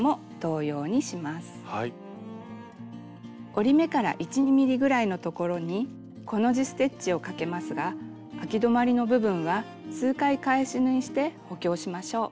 折り目から１２ｍｍぐらいのところにコの字ステッチをかけますがあき止まりの部分は数回返し縫いして補強しましょう。